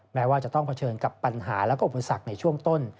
แม้ว่าจะต้องเผชิญกับปัญหาและอุปสรรคในช่วงต้น